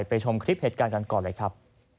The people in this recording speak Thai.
ชมคลิปเหตุการณ์กันก่อนเลยครับ